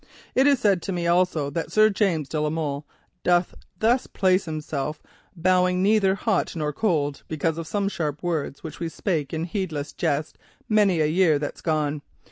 It is told to me also, that Sir James de la Molle doth thus place himself aside blowing neither hot nor cold, because of some sharp words which we spake in heedless jest many a year that's gone.